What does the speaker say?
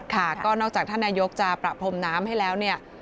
ค่ะก็นอกจากท่านนายกรรธมนตรีจะประพรมน้ำให้แล้ว